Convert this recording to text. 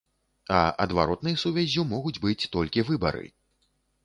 А адваротнай сувяззю могуць быць толькі выбары!